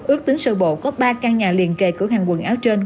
ước tính sơ bộ có ba căn nhà liền kề cửa hàng quần áo trên